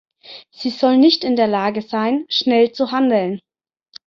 Sie soll nicht in der Lage sein, schnell zu handeln.